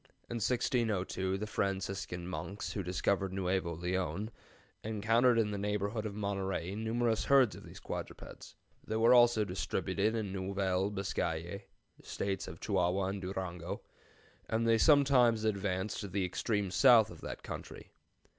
In 1602 the Franciscan monks who discovered Nuevo Leon encountered in the neighborhood of Monterey numerous herds of these quadrupeds. They were also distributed in Nouvelle Biscaye (States of Chihuahua and Durango), and they sometimes advanced to the extreme south of that country.